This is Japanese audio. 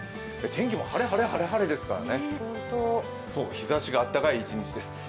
天気も晴れ、晴れ、晴れ、晴れですからね日ざしが暖かい一日です。